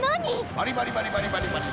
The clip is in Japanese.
バリバリバリバリバリバリ！